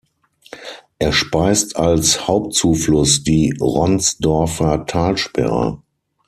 Er speist als Hauptzufluss die Ronsdorfer Talsperre.